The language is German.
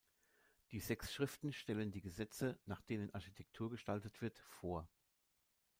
Die sechs Schriften stellen die Gesetze, nach denen Architektur gestaltet wird, vor.